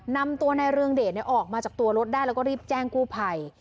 นำตัวในเรืองเดชออกมาจากตัวรถได้แล้วก็รีบแจ้งกู้ภัย